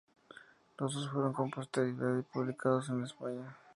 Los dos fueron con posterioridad publicados en España.